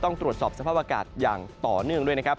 ต้องตรวจสอบสภาพอากาศอย่างต่อเนื่องด้วยนะครับ